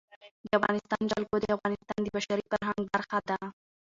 د افغانستان جلکو د افغانستان د بشري فرهنګ برخه ده.